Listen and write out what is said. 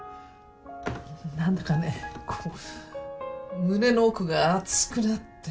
何だかねこう胸の奥が熱くなって。